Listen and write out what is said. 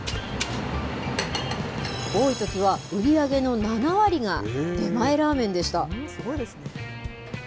多いときは、売り上げの７割が出前ラーメンでした。